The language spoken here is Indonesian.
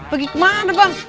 pergi kemana bang